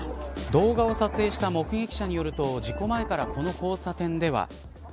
動画を撮影した目撃者によると事故前からこの交差点では。